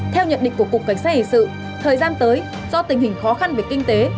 theo nhận định của cục cảnh sát hình sự thời gian tới do tình hình khó khăn về kinh tế